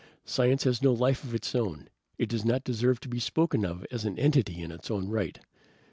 Science has no life of its own. It does not deserve to be spoken of as an entity in its own right.